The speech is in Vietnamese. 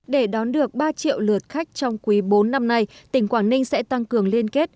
để đón được ba triệu lượt khách trong quý bốn năm nay tỉnh quảng ninh sẽ tăng cường liên kết